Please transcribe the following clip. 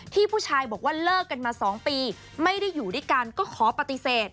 ผู้ชายบอกว่าเลิกกันมา๒ปีไม่ได้อยู่ด้วยกันก็ขอปฏิเสธ